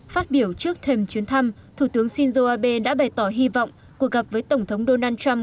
phát biểu trước thềm chuyến thăm thủ tướng shinzo abe đã bày tỏ hy vọng cuộc gặp với tổng thống donald trump